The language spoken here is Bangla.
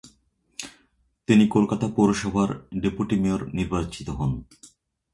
তিনি কলকাতা পৌরসভার ডেপুটি মেয়র নির্বাচিত হন।